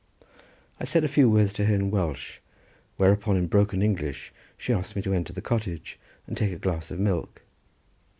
I said a few words to her in Welsh, whereupon in broken English she asked me to enter the cottage and take a glass of milk.